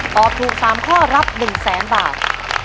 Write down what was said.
ตอบถูก๓ข้อรับ๑๐๐๐๐๐บาท